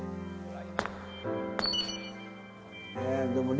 はい。